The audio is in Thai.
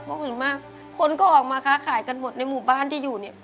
เพราะเห็นมากคนก็ออกมาค้าขายกันหมดในหมู่บ้านที่อยู่เนี่ย